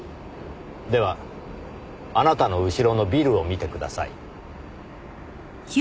ではあなたの後ろのビルを見てください。